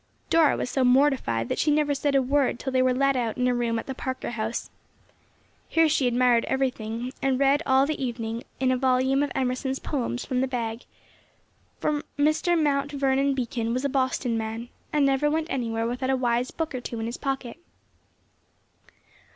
Dora was so mortified that she never said a word till they were let out in a room at the Parker House. Here she admired everything, and read all the evening in a volume of Emerson's Poems from the bag, for Mr. Mt. Vernon Beacon was a Boston man, and never went anywhere without a wise book or two in his pocket.